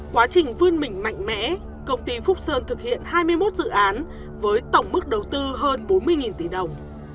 quá trình vươn mình mạnh mẽ công ty phúc sơn thực hiện hai mươi một dự án với tổng mức đầu tư hơn bốn mươi tỷ đồng